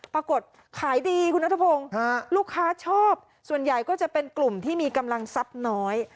ปรากฏขายดีคุณนัทพงศ์ลูกค้าชอบส่วนใหญ่ก็จะเป็นกลุ่มที่มีกำลังทรัพย์น้อย